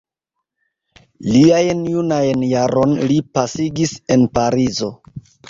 Liajn junajn jaron li pasigis en Parizo.